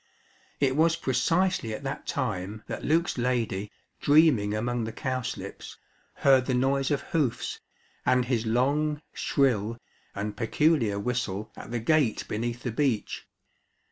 It was precisely at that time that Luke's lady, dreaming among the cowslips, heard the noise of hoofs, and his long, shrill, and peculiar whistle at the gate beneath the beech.